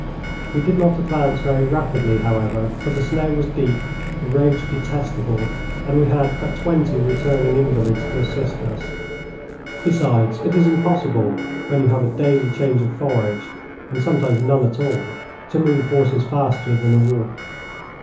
We did not advance very rapidly, however, for the snow was deep, the roads detestable, and we had but twenty returning invalids to assist us. Besides, it is impossible, when you have a daily change of forage, and sometimes none at all, to move horses faster than a walk.